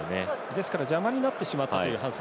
ですから、邪魔になってしまったという反則。